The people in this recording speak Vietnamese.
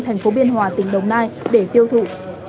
thành phố biên hòa tỉnh đồng nai để tiêu thụ